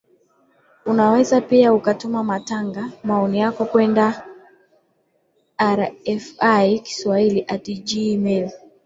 unaweza pia ukatuma matanga maoni yako kwenda rfi kiswahili at gmail